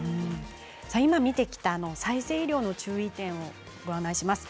今、見てきた再生医療の注意点をご紹介します。